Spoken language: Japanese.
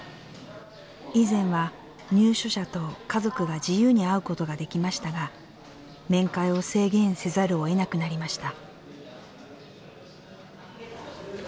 以前は、入所者と家族が自由に会うことができましたが面会を制限せざるを得なくなりました。